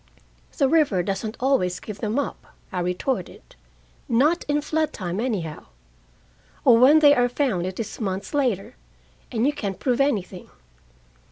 "The river doesn't always give them up," I retorted. "Not in flood time, anyhow. Or when they are found it is months later, and you can't prove anything."